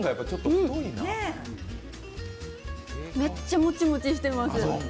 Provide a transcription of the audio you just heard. めっちゃもちもちしています。